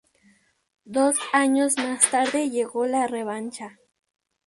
Dos años más tarde llegó la revancha.